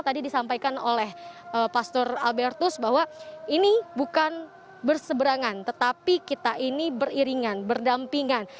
tadi disampaikan oleh pastor albertus bahwa ini bukan berseberangan tetapi kita ini beriringan berdampingan